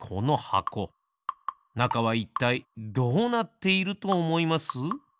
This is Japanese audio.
なかはいったいどうなっているとおもいます？